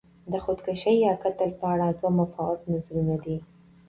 د خودکشي یا قتل په اړه دوه متفاوت نظرونه دي.